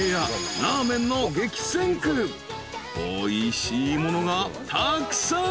［おいしいものがたくさん］